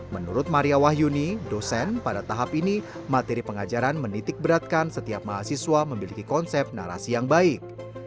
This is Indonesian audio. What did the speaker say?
menurut maria wahyuni dosen pada tahap ini materi pengajaran menitik beratkan setiap mahasiswa memiliki konsep narasi yang baik